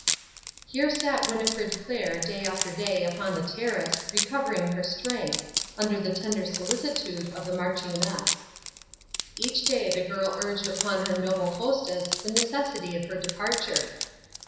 Here sat Winnifred Clair day after day upon the terrace recovering her strength, under the tender solicitude of the Marchioness. Each day the girl urged upon her noble hostess the necessity of her departure.